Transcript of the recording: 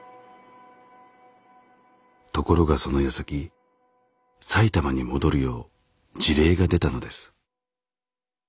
ところがそのやさき埼玉に戻るよう辞令が出たのです。